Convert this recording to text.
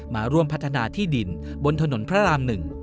มาร่วมพัฒนาที่ดินบนถนนพระราม๑